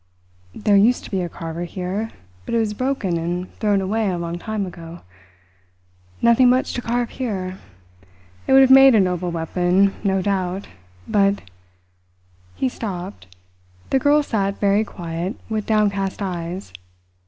"There used to be a carver here, but it was broken and thrown away a long time ago. Nothing much to carve here. It would have made a noble weapon, no doubt; but " He stopped. The girl sat very quiet, with downcast eyes.